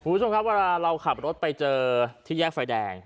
คุณผู้ชมครับเวลาเราขับรถไปเจอที่แยกไฟแดง